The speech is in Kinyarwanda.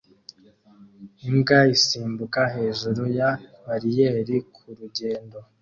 Imbwa isimbuka hejuru ya bariyeri kurugendo